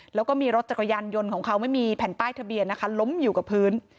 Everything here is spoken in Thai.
แล้วก็มีรถจักรยานยนต์ของเขาไม่มีแผ่นป้ายทะเบียนนะคะล้มอยู่กับพื้น